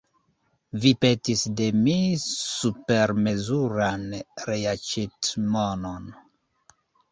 Vi petis de mi supermezuran reaĉetmonon.